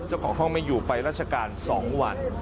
เจ้าของห้องไม่อยู่ไปราชการ๒วัน